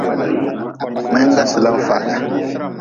Mngenga sila n-faaga.